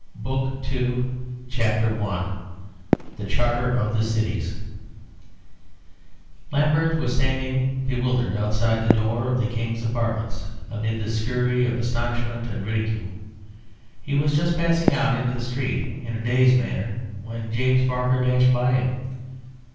BOOK II CHAPTER I The Charter of the Cities Lambert was standing bewildered outside the door of the King's apartments amid the scurry of astonishment and ridicule. He was just passing out into the street, in a dazed manner, when James Barker dashed by him.